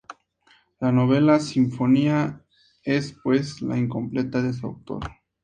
La Novena Sinfonía, es, pues, "La incompleta" de su autor.